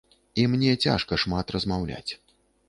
І мне цяжка шмат размаўляць.